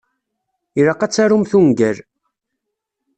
Ilaq ad tarumt ungal.